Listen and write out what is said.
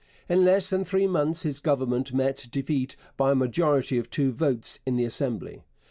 In less than three months his Government met defeat by a majority of two votes in the Assembly.